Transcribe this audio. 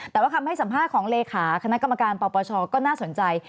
แต่ว่าคำให้สัมภาษณ์ของเลขาคณะกรรมการปปชก็น่าสนใจ